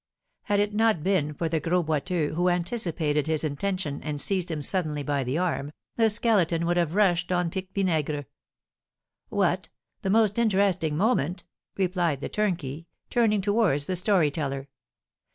Had it not been for the Gros Boiteux, who anticipated his intention, and seized him suddenly by the arm, the Skeleton would have rushed on Pique Vinaigre. "What! The most interesting moment?" replied the turnkey, turning towards the story teller.